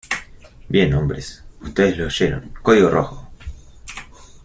Bien, hombres. Ustedes lo oyeron .¡ código rojo!